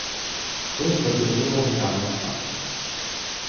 Той запитливо поглянув на.